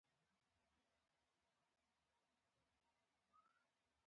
دوی آزاد قبایل په دایمي دښمني کې وساتل.